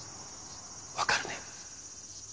わかるね？